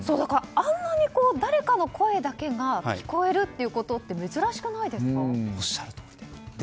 あんなに誰かの声だけが聞こえるということっておっしゃるとおり。